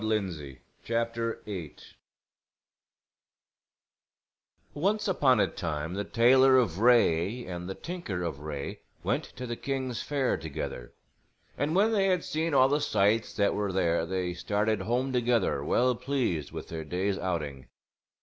THE GREAT WHITE BEAR Once upon a time the tailor of Wraye and the tinker of Wraye went to the king's fair together; and when they had seen all the sights that were there they started home together well pleased with their day's outing.